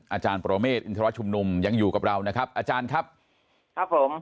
อาจารย์ปรเมฆอินทรชุมนุมยังอยู่กับเรานะครับอาจารย์ครับครับผม